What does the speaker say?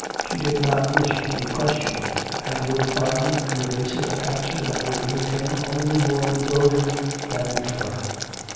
She did not wish to be questioned, and would find an evasive answer that would leave him only more bewildered than before.